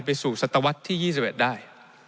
ไปสู่ศตวรรษที่๒๑ได้